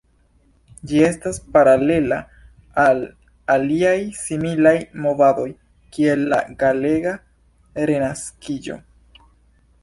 Ĝi estas paralela al aliaj similaj movadoj, kiel la galega Renaskiĝo.